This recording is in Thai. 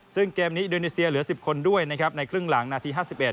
ซึ่งเกมนี้อินโดนีเซียเหลือ๑๐คนด้วยนะครับในครึ่งหลังนาที๕๑